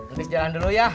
ntis jalan dulu ya